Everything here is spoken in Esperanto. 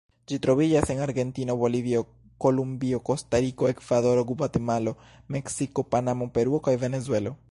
Ĝi troviĝas en Argentino, Bolivio, Kolumbio, Kostariko, Ekvadoro, Gvatemalo, Meksiko, Panamo, Peruo kaj Venezuelo.